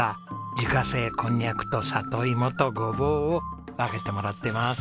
自家製こんにゃくとサトイモとゴボウを分けてもらってます。